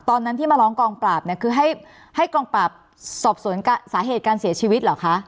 ตอนนั้นที่มาร้องกองปราบเนี่ยคือให้กองปราบสอบสวนสาเหตุการเสียชีวิตเหรอคะ